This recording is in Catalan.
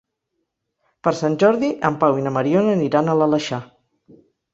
Per Sant Jordi en Pau i na Mariona aniran a l'Aleixar.